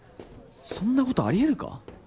そんなことあり得るか？